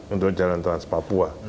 untuk jalan trans papua